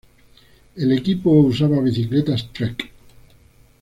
El equipo usaba bicicletas Trek.